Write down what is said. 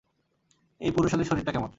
এই পুরুষালী শরীরটা কেমন?